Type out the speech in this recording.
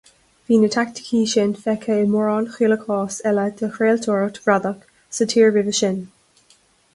Bhí na teaicticí sin feicthe i mórán chuile chás eile de chraoltóireacht bhradach sa tír roimhe sin.